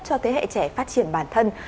cho thế hệ trẻ phát triển bản thân